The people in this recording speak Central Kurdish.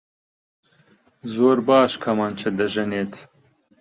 زۆر باش کەمانچە دەژەنێت.